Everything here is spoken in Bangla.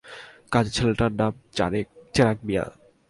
কাজের ছেলেটির নাম চেরাগ মিয়া।